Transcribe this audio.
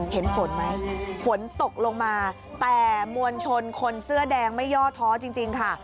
เห็นฝนไหมฝนตกลงมาแต่มวลชนคนเสื้อแดงไม่ย่อท้อจริงค่ะ